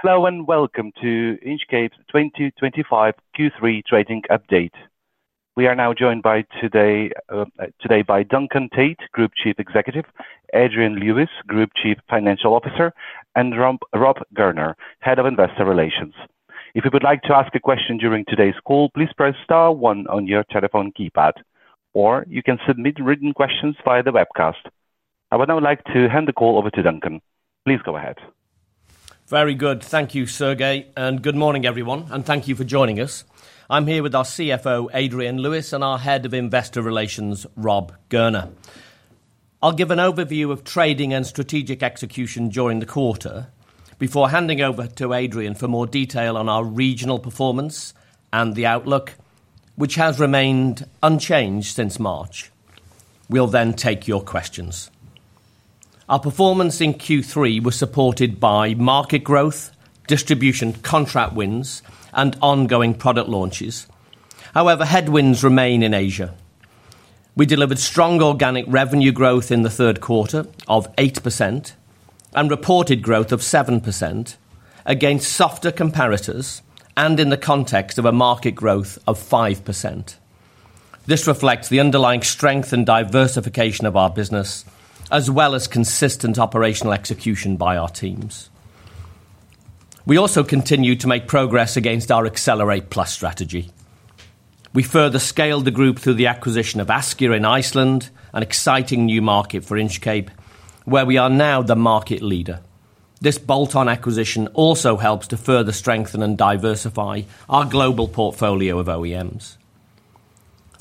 Hello and welcome to Inchcape's 2025 Q3 trading update. We are now joined today by Duncan Tait, Group Chief Executive, Adrian Lewis, Group Chief Financial Officer, and Rob Gurner from Investor Relations. If you would like to ask a question during today's call, please press *1 on your telephone keypad, or you can submit written questions via the webcast. I would now like to hand the call over to Duncan. Please go ahead. Very good, thank you, Sergei, and good morning everyone, and thank you for joining us. I'm here with our CFO, Adrian Lewis, and our Head of Investor Relations, Rob Gurner. I'll give an overview of trading and strategic execution during the quarter before handing over to Adrian for more detail on our regional performance and the outlook, which has remained unchanged since March. We'll then take your questions. Our performance in Q3 was supported by market growth, distribution contract wins, and ongoing product launches. However, headwinds remain in Asia. We delivered strong organic revenue growth in the third quarter of 8% and reported growth of 7% against softer comparators and in the context of a market growth of 5%. This reflects the underlying strength and diversification of our business, as well as consistent operational execution by our teams. We also continue to make progress against our Accelerate Plus strategy. We further scaled the group through the acquisition of Askyr in Iceland, an exciting new market for Inchcape, where we are now the market leader. This bolt-on acquisition also helps to further strengthen and diversify our global portfolio of OEMs.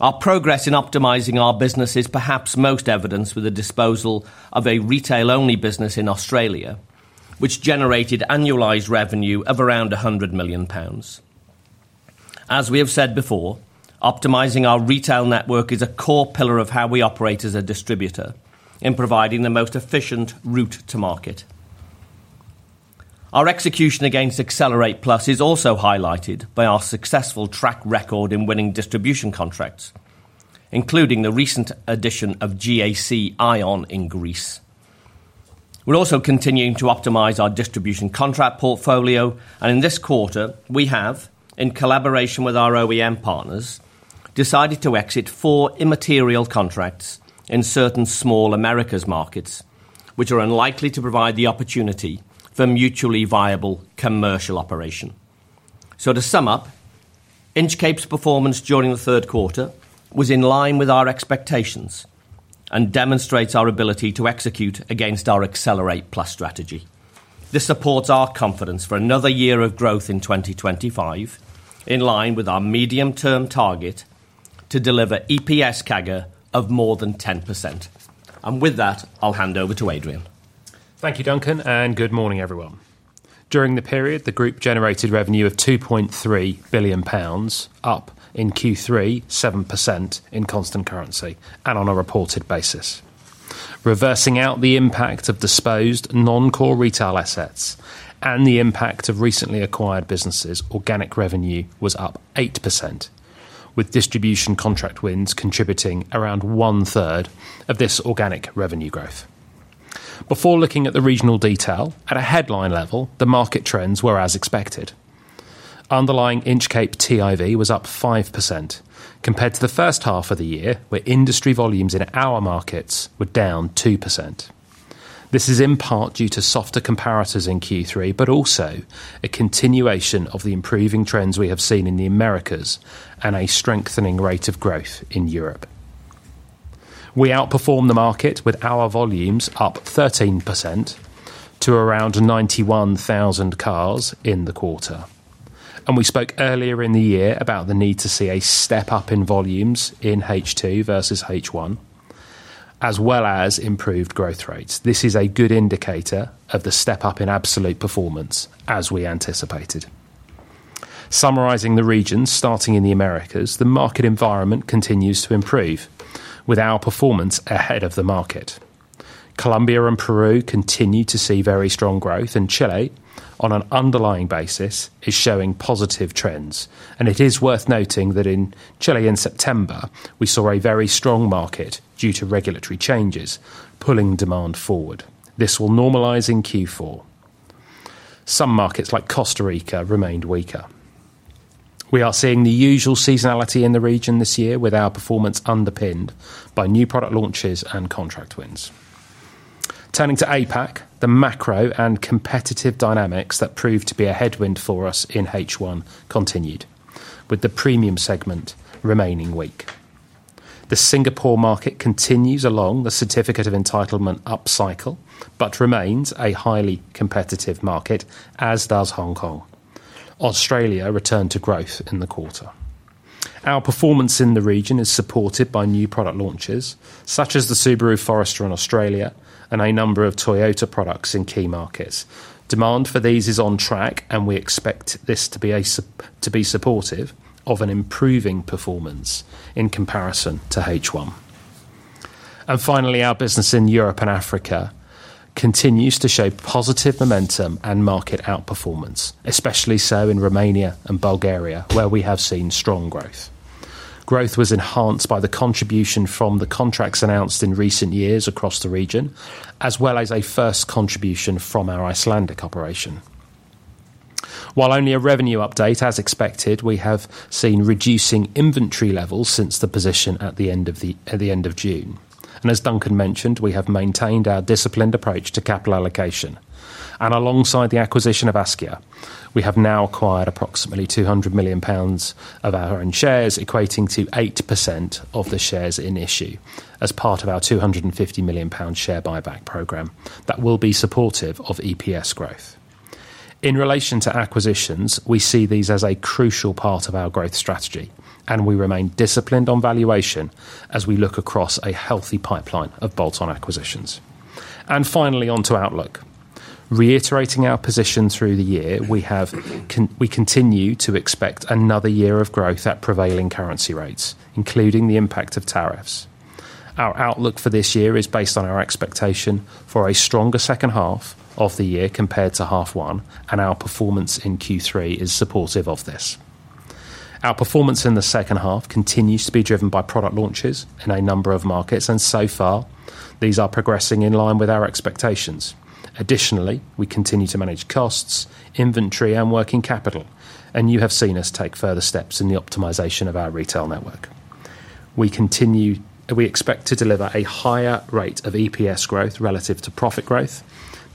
Our progress in optimizing our business is perhaps most evidenced with the disposal of a retail-only business in Australia, which generated annualized revenue of around 100 million pounds. As we have said before, optimizing our retail network is a core pillar of how we operate as a distributor in providing the most efficient route to market. Our execution against Accelerate Plus is also highlighted by our successful track record in winning distribution contracts, including the recent addition of GAC AION in Greece. We're also continuing to optimize our distribution contract portfolio, and in this quarter, we have, in collaboration with our OEM partners, decided to exit four immaterial contracts in certain small Americas markets, which are unlikely to provide the opportunity for mutually viable commercial operation. To sum up, Inchcape's performance during the third quarter was in line with our expectations and demonstrates our ability to execute against our Accelerate Plus strategy. This supports our confidence for another year of growth in 2025, in line with our medium-term target to deliver EPS CAGR of more than 10%. With that, I'll hand over to Adrian. Thank you, Duncan, and good morning everyone. During the period, the group generated revenue of 2.3 billion pounds, up in Q3, 7% in constant currency and on a reported basis. Reversing out the impact of disposed non-core retail assets and the impact of recently acquired businesses, organic revenue was up 8%, with distribution contract wins contributing around one-third of this organic revenue growth. Before looking at the regional detail, at a headline level, the market trends were as expected. Underlying Inchcape TIV was up 5% compared to the first half of the year, where industry volumes in our markets were down 2%. This is in part due to softer comparators in Q3, but also a continuation of the improving trends we have seen in the Americas and a strengthening rate of growth in Europe. We outperformed the market with our volumes up 13% to around 91,000 cars in the quarter, and we spoke earlier in the year about the need to see a step up in volumes in H2 versus H1, as well as improved growth rates. This is a good indicator of the step up in absolute performance as we anticipated. Summarizing the regions, starting in the Americas, the market environment continues to improve with our performance ahead of the market. Colombia and Peru continue to see very strong growth, and Chile, on an underlying basis, is showing positive trends. It is worth noting that in Chile in September, we saw a very strong market due to regulatory changes pulling demand forward. This will normalize in Q4. Some markets like Costa Rica remained weaker. We are seeing the usual seasonality in the region this year, with our performance underpinned by new product launches and contract wins. Turning to APAC, the macro and competitive dynamics that proved to be a headwind for us in H1 continued, with the premium segment remaining weak. The Singapore market continues along the certificate of entitlement upcycle, but remains a highly competitive market, as does Hong Kong. Australia returned to growth in the quarter. Our performance in the region is supported by new product launches, such as the Subaru Forester in Australia and a number of Toyota products in key markets. Demand for these is on track, and we expect this to be supportive of an improving performance in comparison to H1. Finally, our business in Europe and Africa continues to show positive momentum and market out performance, especially so in Romania and Bulgaria, where we have seen strong growth. Growth was enhanced by the contribution from the contracts announced in recent years across the region, as well as a first contribution from our Icelandic operation. While only a revenue update, as expected, we have seen reducing inventory levels since the position at the end of June. As Duncan mentioned, we have maintained our disciplined approach to capital allocation, and alongside the acquisition of Askyr, we have now acquired approximately 200 million pounds of our own shares, equating to 8% of the shares in issue as part of our 250 million pound share buyback program that will be supportive of EPS growth. In relation to acquisitions, we see these as a crucial part of our growth strategy, and we remain disciplined on valuation as we look across a healthy pipeline of bolt-on acquisitions. Finally, onto outlook. Reiterating our position through the year, we continue to expect another year of growth at prevailing currency rates, including the impact of tariffs. Our outlook for this year is based on our expectation for a stronger second half of the year compared to half one, and our performance in Q3 is supportive of this. Our performance in the second half continues to be driven by product launches in a number of markets, and so far, these are progressing in line with our expectations. Additionally, we continue to manage costs, inventory, and working capital, and you have seen us take further steps in the optimization of our retail network. We expect to deliver a higher rate of EPS growth relative to profit growth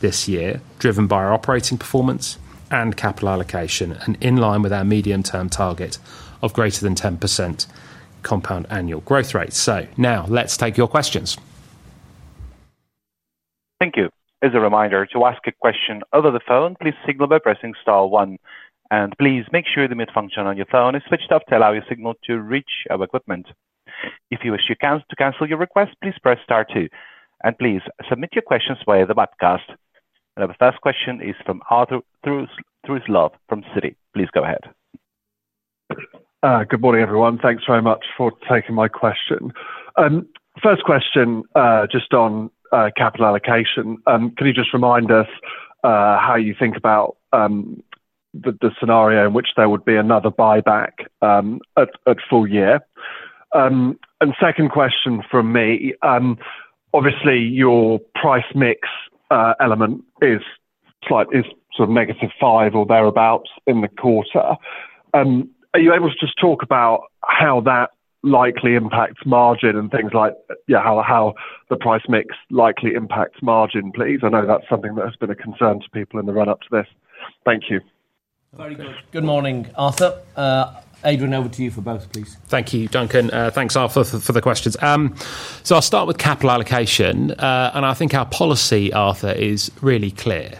this year, driven by our operating performance and capital allocation, and in line with our medium-term target of greater than 10% compound annual growth rates. Let's take your questions. Thank you. As a reminder, to ask a question over the phone, please signal by pressing *1. Please make sure the mute function on your phone is switched off to allow your signal to reach our equipment. If you wish to cancel your request, please press *2. Please submit your questions via the webcast. Our first question is from Arthur Truslov from Citi Please go ahead. Good morning everyone. Thanks very much for taking my question. First question just on capital allocation. Can you just remind us how you think about the scenario in which there would be another buyback at full year? Second question from me. Obviously, your price mix element is slightly sort of negative 5% or thereabouts in the quarter. Are you able to just talk about how that likely impacts margin and things like, yeah, how the price mix likely impacts margin, please? I know that's something that has been a concern to people in the run-up to this. Thank you. Very good. Good morning, Arthur. Adrian, over to you for both, please. Thank you, Duncan. Thanks, Arthur, for the questions. I'll start with capital allocation, and I think our policy, Arthur, is really clear.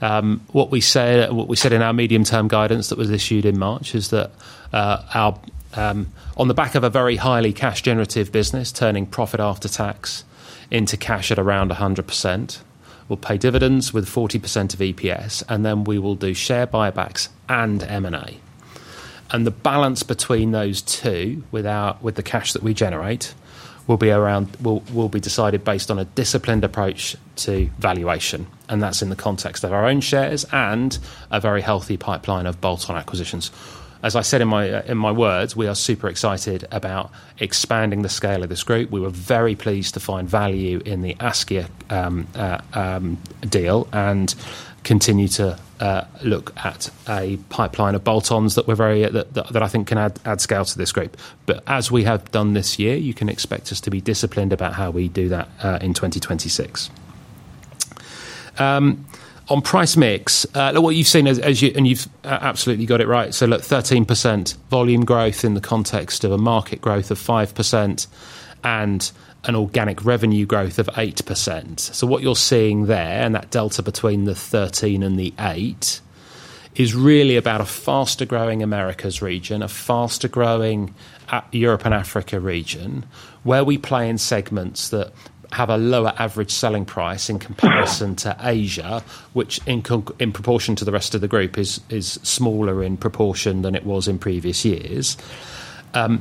What we said in our medium-term guidance that was issued in March is that on the back of a very highly cash-generative business, turning profit after tax into cash at around 100%, we'll pay dividends with 40% of EPS, and then we will do share buybacks and M&A. The balance between those two with the cash that we generate will be decided based on a disciplined approach to valuation, and that's in the context of our own shares and a very healthy pipeline of bolt-on acquisitions. As I said in my words, we are super excited about expanding the scale of this group. We were very pleased to find value in the Askyr deal and continue to look at a pipeline of bolt-ons that I think can add scale to this group. As we have done this year, you can expect us to be disciplined about how we do that in 2026. On price mix, what you've seen, and you've absolutely got it right, look, 13% volume growth in the context of a market growth of 5% and an organic revenue growth of 8%. What you're seeing there, and that delta between the 13 and the 8, is really about a faster growing Americas region, a faster growing Europe and Africa region, where we play in segments that have a lower average selling price in comparison to Asia, which in proportion to the rest of the group is smaller in proportion than it was in previous years. A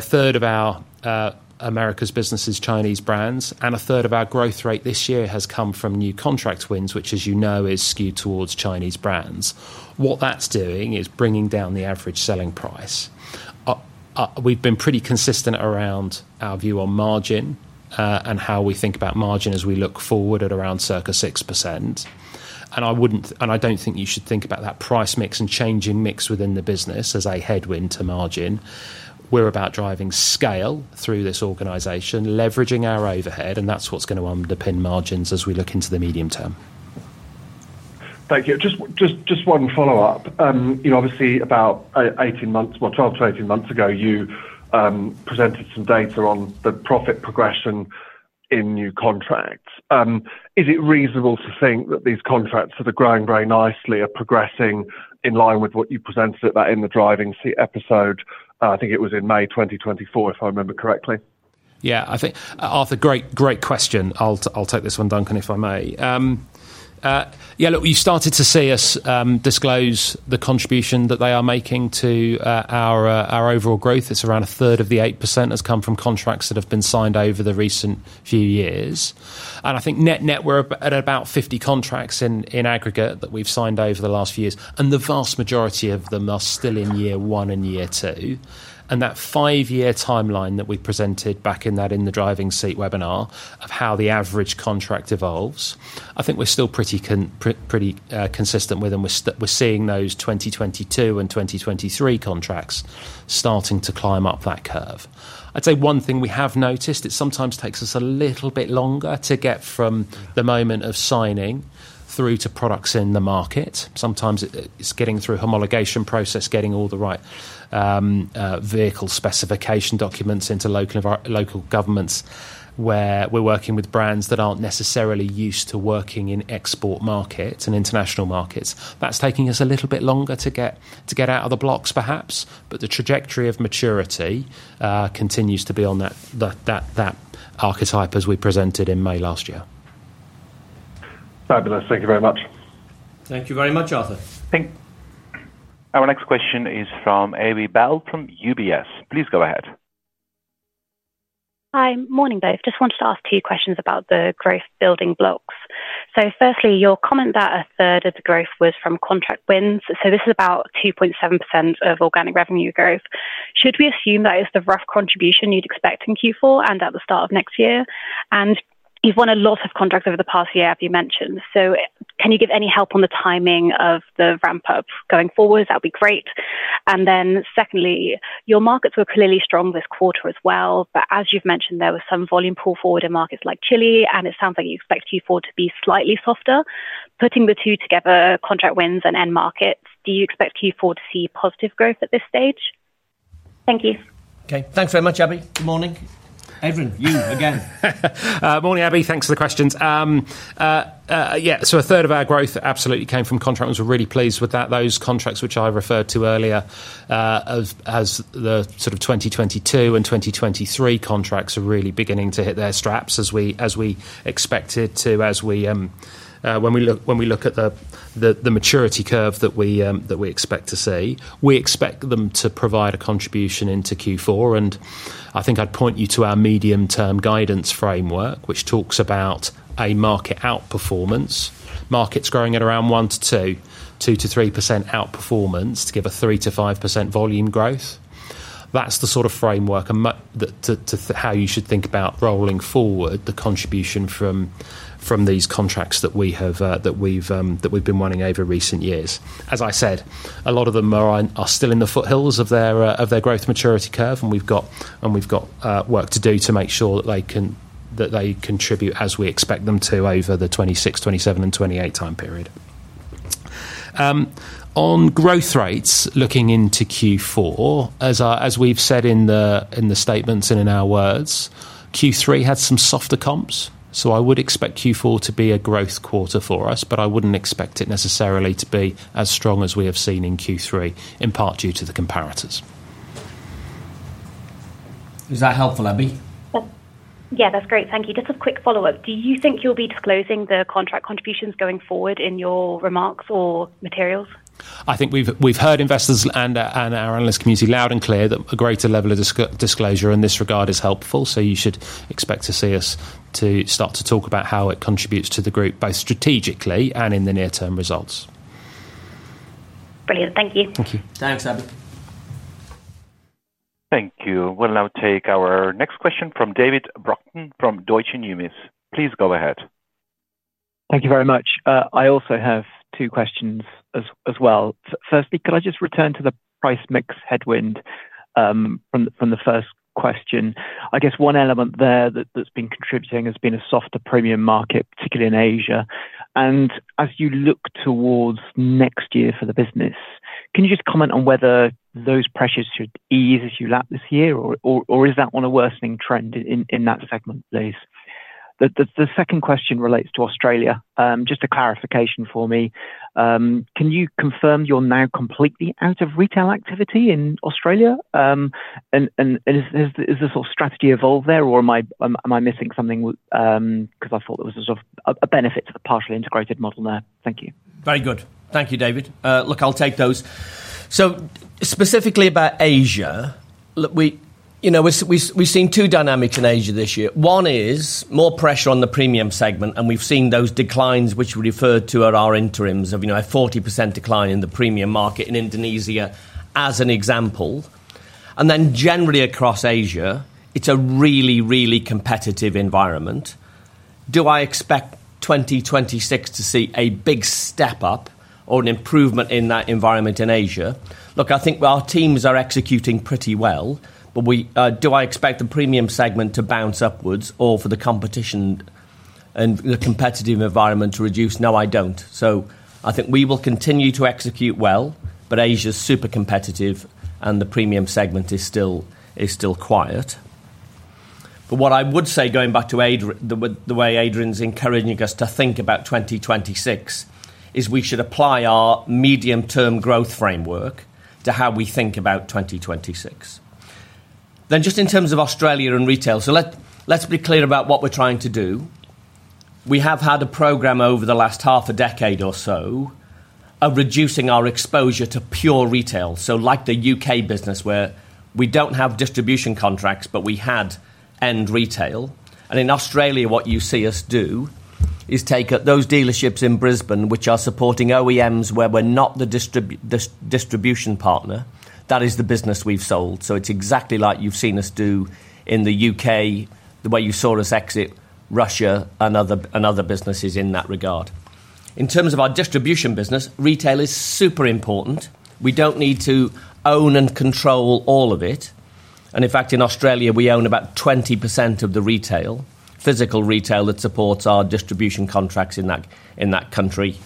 third of our Americas business is Chinese brands, and a third of our growth rate this year has come from new contracts wins, which, as you know, is skewed towards Chinese brands. What that's doing is bringing down the average selling price. We've been pretty consistent around our view on margin and how we think about margin as we look forward at around circa 6%. I don't think you should think about that price mix and changing mix within the business as a headwind to margin. We're about driving scale through this organization, leveraging our overhead, and that's what's going to underpin margins as we look into the medium term. Thank you. Just one follow-up. Obviously, about 18 months, 12 to 18 months ago, you presented some data on the profit progression in new contracts. Is it reasonable to think that these contracts that are growing very nicely are progressing in line with what you presented in the Driving episode? I think it was in May 2024, if I remember correctly. Yeah, I think, Arthur, great question. I'll take this one, Duncan, if I may. You started to see us disclose the contribution that they are making to our overall growth. It's around a third of the 8% that's come from contracts that have been signed over the recent few years. I think net net, we're at about 50 contracts in aggregate that we've signed over the last few years, and the vast majority of them are still in year one and year two. That five-year timeline that we presented back in that In the Driving Seat webinar of how the average contract evolves, I think we're still pretty consistent with, and we're seeing those 2022 and 2023 contracts starting to climb up that curve. I'd say one thing we have noticed, it sometimes takes us a little bit longer to get from the moment of signing through to products in the market. Sometimes it's getting through a homologation process, getting all the right vehicle specification documents into local governments, where we're working with brands that aren't necessarily used to working in export markets and international markets. That's taking us a little bit longer to get out of the blocks, perhaps, but the trajectory of maturity continues to be on that archetype as we presented in May last year. Fabulous. Thank you very much. Thank you very much, Arthur. Thanks. Our next question is from Amy Lo from UBS. Please go ahead. Hi, morning both. Just wanted to ask two questions about the growth building blocks. Firstly, your comment that a third of the growth was from contract wins, so this is about 2.7% of organic revenue growth. Should we assume that is the rough contribution you'd expect in Q4 and at the start of next year? You've won a lot of contracts over the past year, as you mentioned, so can you give any help on the timing of the ramp-up going forward? That would be great. Secondly, your markets were clearly strong this quarter as well, but as you've mentioned, there was some volume pull forward in markets like Chile, and it sounds like you expect Q4 to be slightly softer. Putting the two together, contract wins and end markets, do you expect Q4 to see positive growth at this stage? Thank you. Okay, thanks very much, Abby. Good morning. Adrian, you again. Morning, Abby. Thanks for the questions. Yeah, a third of our growth absolutely came from contract wins. We're really pleased with that. Those contracts which I referred to earlier as the sort of 2022 and 2023 contracts are really beginning to hit their straps as we expected to. When we look at the maturity curve that we expect to see, we expect them to provide a contribution into Q4, and I think I'd point you to our medium-term guidance framework, which talks about a market outperformance. Markets growing at around 1% to 2%, 2% to 3% outperformance to give a 3% to 5% volume growth. That's the sort of framework to how you should think about rolling forward the contribution from these contracts that we've been running over recent years. As I said, a lot of them are still in the foothills of their growth maturity curve, and we've got work to do to make sure that they contribute as we expect them to over the 2026, 2027, and 2028 time period. On growth rates, looking into Q4, as we've said in the statements and in our words, Q3 had some softer comps, so I would expect Q4 to be a growth quarter for us, but I wouldn't expect it necessarily to be as strong as we have seen in Q3, in part due to the comparators. Is that helpful, Abby? Yeah, that's great. Thank you. Just a quick follow-up. Do you think you'll be disclosing the contract contributions going forward in your remarks or materials? I think we've heard investors and our analyst community loud and clear that a greater level of disclosure in this regard is helpful, so you should expect to see us start to talk about how it contributes to the group both strategically and in the near-term results. Brilliant. Thank you. Thanks, Abby. Thank you. We'll now take our next question from David Brockton from Deutsche Numis. Please go ahead. Thank you very much. I also have two questions as well. Firstly, could I just return to the price mix headwind from the first question? I guess one element there that's been contributing has been a softer premium market, particularly in Asia. As you look towards next year for the business, can you just comment on whether those pressures should ease as you lap this year, or is that on a worsening trend in that segment, please? The second question relates to Australia. Just a clarification for me. Can you confirm you're now completely out of retail activity in Australia? Is the sort of strategy evolved there, or am I missing something because I thought there was a sort of a benefit to the partially integrated model there? Thank you. Very good. Thank you, David. Look, I'll take those. Specifically about Asia, we've seen two dynamics in Asia this year. One is more pressure on the premium segment, and we've seen those declines, which we referred to at our interims, of a 40% decline in the premium market in Indonesia, as an example. Generally across Asia, it's a really, really competitive environment. Do I expect 2026 to see a big step up or an improvement in that environment in Asia? I think our teams are executing pretty well, but do I expect the premium segment to bounce upwards or for the competition and the competitive environment to reduce? No, I don't. I think we will continue to execute well, but Asia is super competitive and the premium segment is still quiet. What I would say, going back to the way Adrian's encouraging us to think about 2026, is we should apply our medium-term growth framework to how we think about 2026. In terms of Australia and retail, let's be clear about what we're trying to do. We have had a program over the last half a decade or so of reducing our exposure to pure retail, like the UK business where we don't have distribution contracts, but we had end retail. In Australia, what you see us do is take those dealerships in Brisbane, which are supporting OEMs where we're not the distribution partner. That is the business we've sold. It's exactly like you've seen us do in the UK, the way you saw us exit Russia and other businesses in that regard. In terms of our distribution business, retail is super important. We don't need to own and control all of it. In fact, in Australia, we own about 20% of the retail, physical retail that supports our distribution contracts in that country.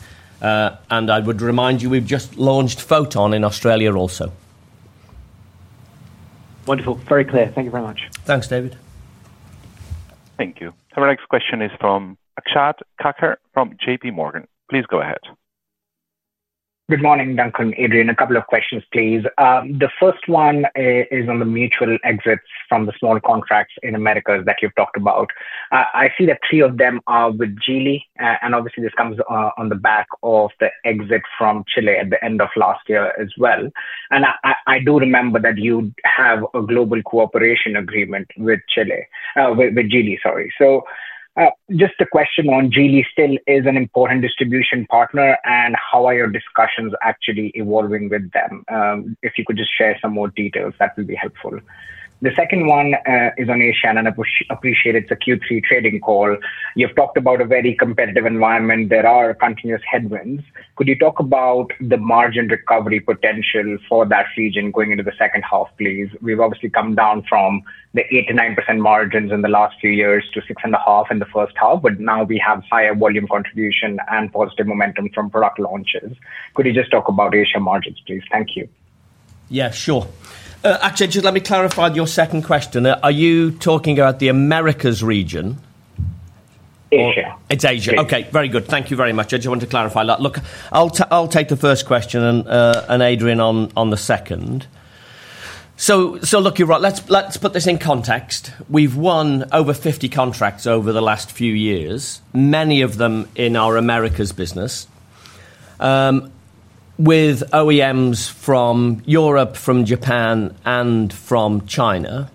I would remind you we've just launched Photon in Australia also. Wonderful. Very clear. Thank you very much. Thanks, David. Thank you. Our next question is from Akshat Kacker from JP Morgan. Please go ahead. Good morning, Duncan, Adrian. A couple of questions, please. The first one is on the mutual exits from the small contracts in Americas that you've talked about. I see that three of them are with Geely, and obviously this comes on the back of the exit from Chile at the end of last year as well. I do remember that you have a global cooperation agreement with Geely, sorry. Just a question on Geely still is an important distribution partner, and how are your discussions actually evolving with them? If you could just share some more details, that would be helpful. The second one is on Asia, and I appreciate it's a Q3 trading call. You've talked about a very competitive environment. There are continuous headwinds. Could you talk about the margin recovery potential for that region going into the second half, please? We've obviously come down from the 8% to 9% margins in the last few years to 6.5% in the first half, but now we have higher volume contribution and positive momentum from product launches. Could you just talk about Asia margins, please? Thank you. Yeah, sure. Let me clarify your second question. Are you talking about the Americas region? Asia. It's Asia. Okay, very good. Thank you very much. I just wanted to clarify that. I'll take the first question and Adrian on the second. You're right. Let's put this in context. We've won over 50 contracts over the last few years, many of them in our Americas business, with OEMs from Europe, from Japan, and from China.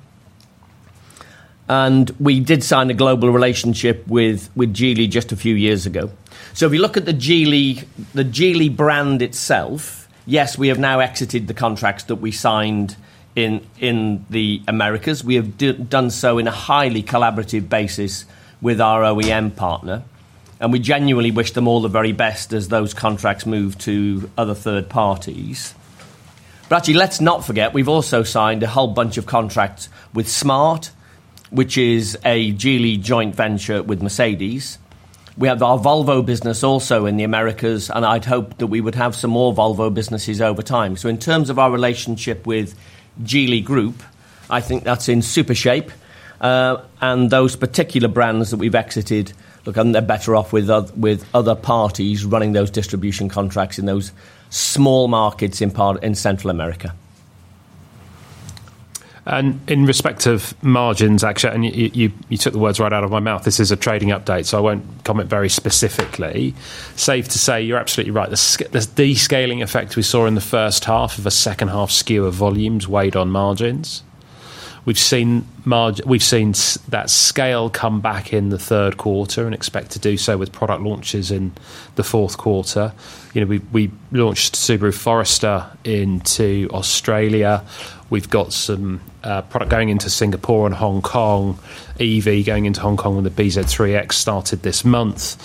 We did sign a global relationship with Geely just a few years ago. If you look at the Geely brand itself, yes, we have now exited the contracts that we signed in the Americas. We have done so on a highly collaborative basis with our OEM partner, and we genuinely wish them all the very best as those contracts move to other third parties. Actually, let's not forget, we've also signed a whole bunch of contracts with Smart, which is a Geely joint venture with Mercedes. We have our Volvo business also in the Americas, and I'd hope that we would have some more Volvo businesses over time. In terms of our relationship with Geely Group, I think that's in super shape. Those particular brands that we've exited, they're better off with other parties running those distribution contracts in those small markets in Central America. In respect of margins, actually, and you took the words right out of my mouth, this is a trading update, so I won't comment very specifically. Safe to say you're absolutely right. The descaling effect we saw in the first half of a second half skew of volumes weighed on margins. We've seen that scale come back in the third quarter and expect to do so with product launches in the fourth quarter. We launched Subaru Forester into Australia. We've got some product going into Singapore and Hong Kong. EV going into Hong Kong with the BZ3X started this month.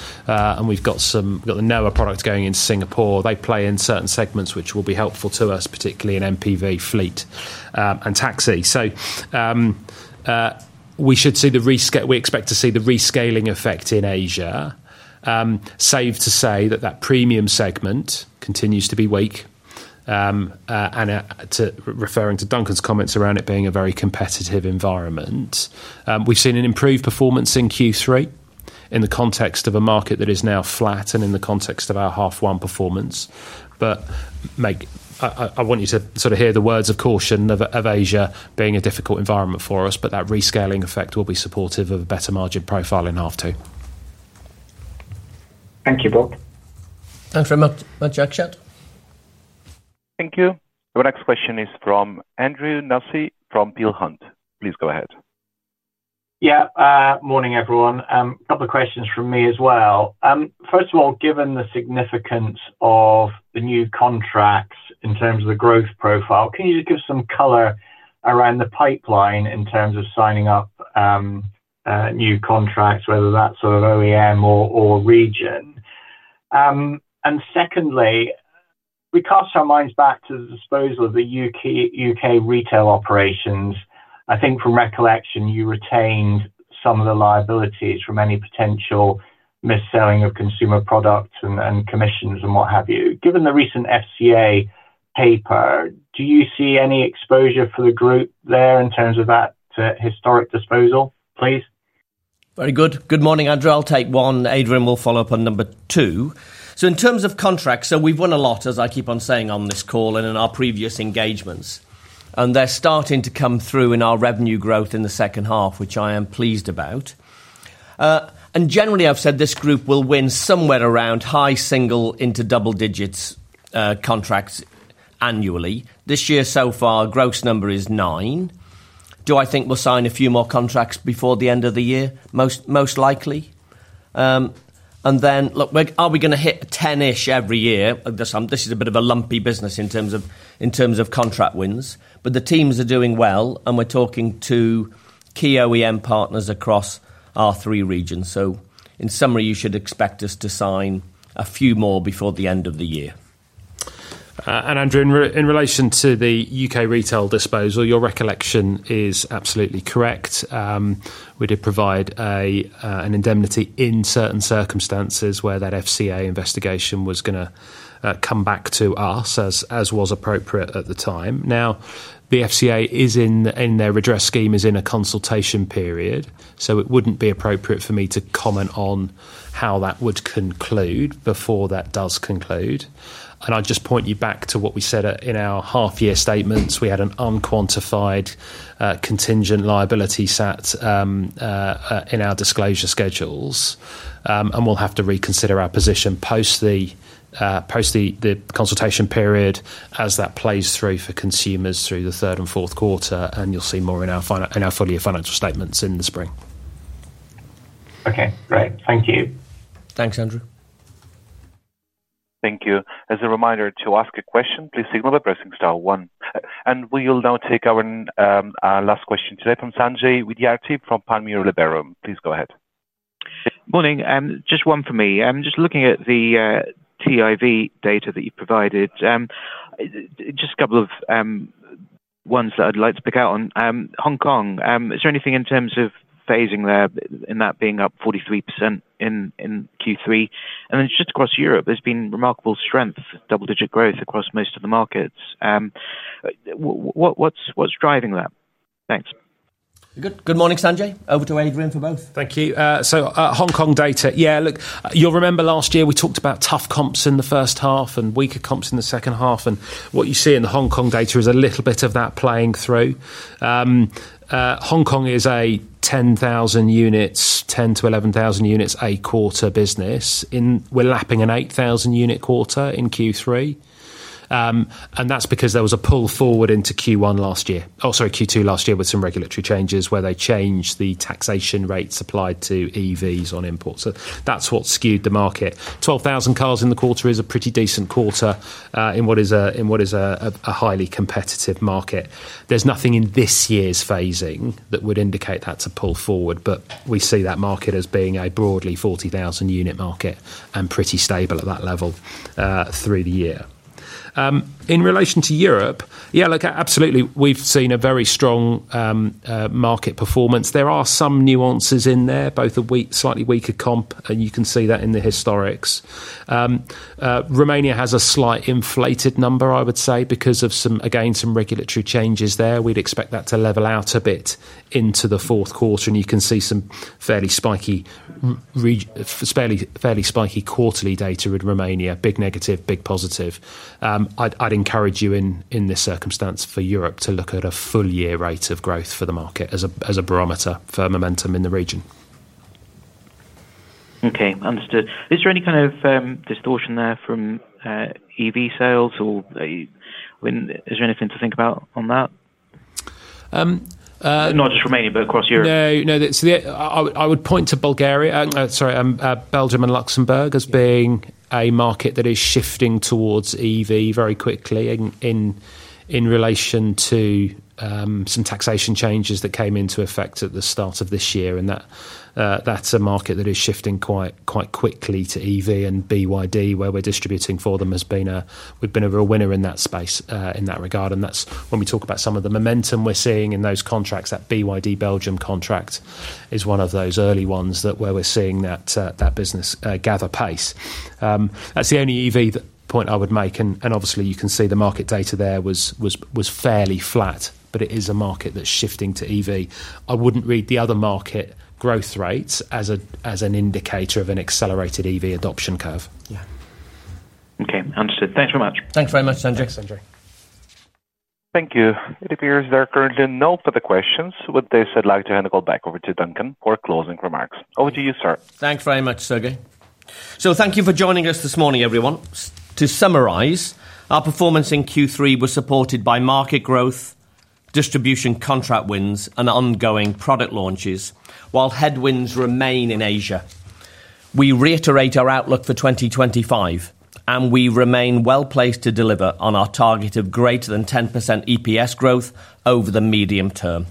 We've got the NOA product going into Singapore. They play in certain segments which will be helpful to us, particularly in MPV fleet and taxi. We should see the rescaling effect in Asia. Safe to say that premium segment continues to be weak, and referring to Duncan's comments around it being a very competitive environment. We've seen an improved performance in Q3 in the context of a market that is now flat and in the context of our half one performance. I want you to sort of hear the words of caution of Asia being a difficult environment for us, but that rescaling effect will be supportive of a better margin profile in half two. Thank you both. Thanks very much, Akshat. Thank you. Our next question is from Andrew Nassi from Peel Hunt. Please go ahead. Yeah, morning everyone. A couple of questions from me as well. First of all, given the significance of the new contracts in terms of the growth profile, can you just give some color around the pipeline in terms of signing up new contracts, whether that's sort of OEM or region? Secondly, we cast our minds back to the disposal of the UK retail operations. I think from recollection, you retained some of the liabilities from any potential mis-selling of consumer products and commissions and what have you. Given the recent FCA paper, do you see any exposure for the group there in terms of that historic disposal, please? Very good. Good morning, Andrew. I'll take one. Adrian will follow up on number two. In terms of contracts, we've won a lot, as I keep on saying on this call and in our previous engagements, and they're starting to come through in our revenue growth in the second half, which I am pleased about. Generally, I've said this group will win somewhere around high single into double digits contracts annually. This year so far, gross number is nine. Do I think we'll sign a few more contracts before the end of the year? Most likely. Are we going to hit 10-ish every year? This is a bit of a lumpy business in terms of contract wins, but the teams are doing well, and we're talking to key OEM partners across our three regions. In summary, you should expect us to sign a few more before the end of the year. Andrew, in relation to the UK retail disposal, your recollection is absolutely correct. We did provide an indemnity in certain circumstances where that FCA investigation was going to come back to us, as was appropriate at the time. The FCA is in their redress scheme, is in a consultation period, so it wouldn't be appropriate for me to comment on how that would conclude before that does conclude. I'd just point you back to what we said in our half-year statements. We had an unquantified contingent liability sat in our disclosure schedules, and we'll have to reconsider our position post the consultation period as that plays through for consumers through the third and fourth quarter, and you'll see more in our full-year financial statements in the spring. Okay, great. Thank you. Thanks, Andrew. Thank you. As a reminder, to ask a question, please signal by pressing *1. We'll now take our last question today from Sanjay Vidyarthi from Palmyra Liberum. Please go ahead. Morning. Just one for me. I'm just looking at the TIV data that you provided. Just a couple of ones that I'd like to pick out on. Hong Kong, is there anything in terms of phasing there in that being up 43% in Q3? And then just across Europe, there's been remarkable strength, double-digit growth across most of the markets. What's driving that? Thanks. Good morning, Sanjay. Over to Adrian for both. Thank you. Hong Kong data, yeah, look, you'll remember last year we talked about tough comps in the first half and weaker comps in the second half, and what you see in the Hong Kong data is a little bit of that playing through. Hong Kong is a 10,000 units, 10 to 11,000 units a quarter business. We're lapping an 8,000 unit quarter in Q3, and that's because there was a pull forward into Q1 last year, oh, sorry, Q2 last year with some regulatory changes where they changed the taxation rates applied to EVs on imports. That's what skewed the market. 12,000 cars in the quarter is a pretty decent quarter in what is a highly competitive market. There's nothing in this year's phasing that would indicate that's a pull forward, but we see that market as being a broadly 40,000 unit market and pretty stable at that level through the year. In relation to Europe, yeah, look, absolutely, we've seen a very strong market performance. There are some nuances in there, both a slightly weaker comp, and you can see that in the historics. Romania has a slight inflated number, I would say, because of some, again, some regulatory changes there. We'd expect that to level out a bit into the fourth quarter, and you can see some fairly spiky quarterly data with Romania, big negative, big positive. I'd encourage you in this circumstance for Europe to look at a full-year rate of growth for the market as a barometer for momentum in the region. Okay, understood. Is there any kind of distortion there from EV sales, or is there anything to think about on that? Not just Romania, but across Europe? No, no, I would point to Belgium and Luxembourg as being a market that is shifting towards EV very quickly in relation to some taxation changes that came into effect at the start of this year, and that's a market that is shifting quite quickly to EV, and BYD, where we're distributing for them, we've been a real winner in that space in that regard. That's when we talk about some of the momentum we're seeing in those contracts. That BYD Belgium contract is one of those early ones where we're seeing that business gather pace. That's the only EV point I would make, and obviously you can see the market data there was fairly flat, but it is a market that's shifting to EV. I wouldn't read the other market growth rates as an indicator of an accelerated EV adoption curve. Okay, understood. Thanks very much. Thanks very much, Sanjay. Thank you. It appears there are currently no further questions. With this, I'd like to hand the call back over to Duncan for closing remarks. Over to you, sir. Thanks very much, Sergey. Thank you for joining us this morning, everyone. To summarize, our performance in Q3 was supported by market growth, distribution contract wins, and ongoing product launches, while headwinds remain in Asia. We reiterate our outlook for 2025, and we remain well placed to deliver on our target of greater than 10% EPS growth over the medium term.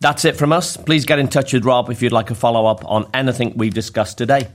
That's it from us. Please get in touch with Rob if you'd like a follow-up on anything we've discussed today. Bye.